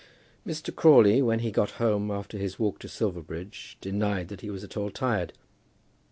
Mr. Crawley, when he got home after his walk to Silverbridge, denied that he was at all tired.